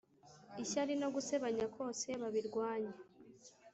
ishyari no gusebanya kose babirwanye